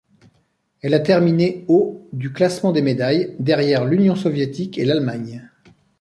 Elle a terminé au du classement des médailles, derrière l'Union soviétique et l'Allemagne.